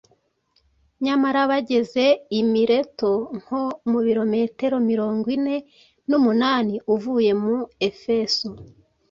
Nyamara bageze i Mileto nko mu birometero mirongo ine n’umunani uvuye mu Efeso,